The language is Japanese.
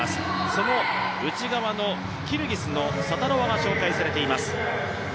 その内側のキルギスのサタロワが紹介されています。